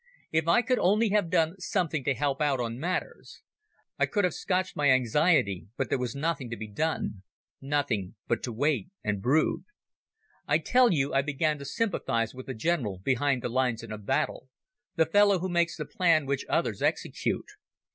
If I could only have done something to help on matters I could have scotched my anxiety, but there was nothing to be done, nothing but wait and brood. I tell you I began to sympathize with the general behind the lines in a battle, the fellow who makes the plan which others execute.